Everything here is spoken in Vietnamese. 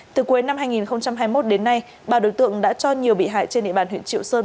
từ cuối năm hai nghìn hai mươi một đến nay bà đối tượng đã cho nhiều bị hại trên địa bàn huyện triệu sơn